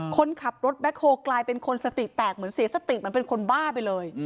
คนขับรถแบ็คโฮลกลายเป็นคนสติแตกเหมือนเสียสติเหมือนเป็นคนบ้าไปเลย